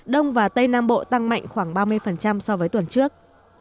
đông và tây nam bộ tăng mạnh khoảng ba mươi so với tuần trước